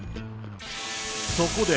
そこで、